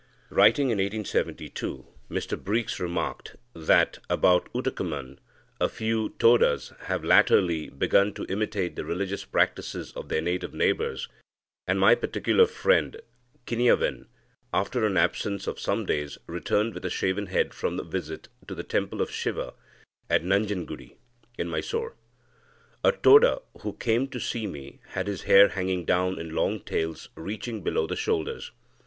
Writing in 1872, Mr Breeks remarked that "about Ootacamund, a few Todas have latterly begun to imitate the religious practices of their native neighbours, and my particular friend Kinniaven, after an absence of some days, returned with a shaven head from a visit to the temple of Siva at Nanjengudi" (in Mysore). A Toda who came to see me had his hair hanging down in long tails reaching below the shoulders.